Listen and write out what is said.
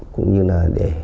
cũng như là để